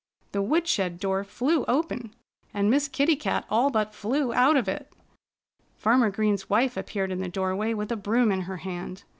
The woodshed door flew open and Miss Kitty Cat all but flew out of it. Farmer Green's wife appeared in the doorway with a broom in her hand.